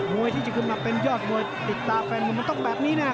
ที่จะขึ้นมาเป็นยอดมวยติดตาแฟนมวยมันต้องแบบนี้แน่